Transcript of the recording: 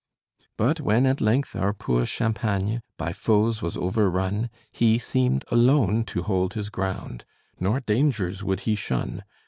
"But when at length our poor Champagne By foes was overrun, He seemed alone to hold his ground; Nor dangers would he shun.